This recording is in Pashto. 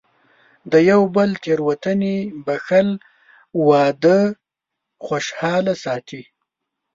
د یو بل تېروتنې بښل، واده خوشحاله ساتي.